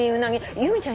由美ちゃん